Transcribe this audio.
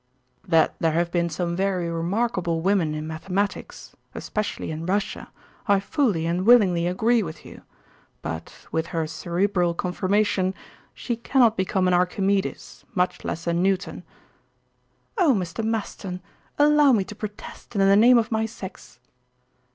"That there have been some very remarkable women in mathematics, especially in Russia, I fully and willingly agree with you. But, with her cerebral conformation, she cannot become an Archimedes, much less a Newton." "Oh, Mr. Maston, allow me to protest in the name of my sex."